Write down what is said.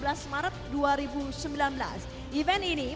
event ini menjadi ajang penghargaan kembali ke indonesia